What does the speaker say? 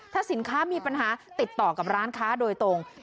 ถ้าสินค้ามีปัญหาติดต่อกับร้านค้าโดยตรง